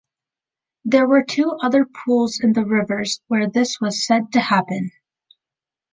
There were two other pools in the rivers where this was said to happen.